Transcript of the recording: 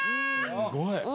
すごいね！